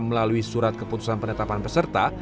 melalui surat keputusan penetapan peserta